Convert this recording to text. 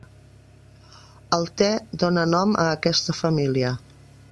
El te dóna nom a aquesta família.